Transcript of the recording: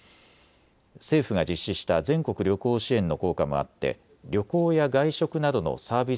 政府が実施した全国旅行支援の効果もあって旅行や外食などのサービス